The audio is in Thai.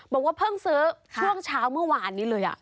บอกว่าเพิ่งซื้อช่วงเช้าเมื่อวานนี้เลย